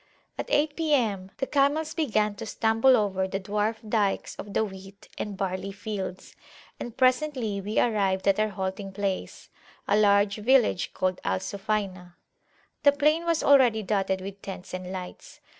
At eight P.M. the camels began to stumble over the dwarf dykes of the wheat and barley fields, and presently we arrived at our halting place, a large village called Al Sufayna. The plain was already dotted with tents and lights.